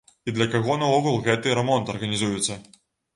І для каго наогул гэты рамонт арганізуецца?